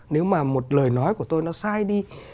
nếu mà một lời nói của tôi nó sai đi